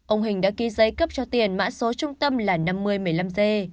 ông hình đã ký giấy cấp cho tiền mã số trung tâm là năm mươi một mươi năm g